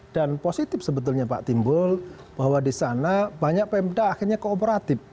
dan positif sebetulnya pak timbul bahwa di sana banyak pmda akhirnya kooperatif